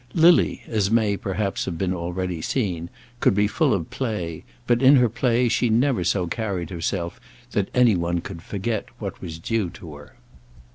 Lily, as may, perhaps, have been already seen, could be full of play, but in her play she never so carried herself that any one could forget what was due to her.